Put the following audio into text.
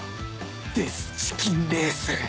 デス・チキンレース！